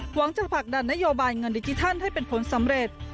หวังจะผลักดันนโยบายเงินดิจิทัลให้เป็นผลสำเร็จ